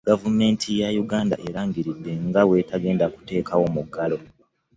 Gavumenti ya Uganda erangiridde nga bw'etagenda kuteekawo muggalo